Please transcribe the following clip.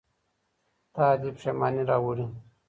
تادي پښيماني راوړي.